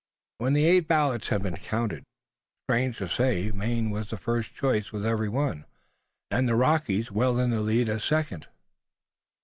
When the eight ballots had been counted, strange to say Maine was first choice with every one, and the Rockies well in the lead as second.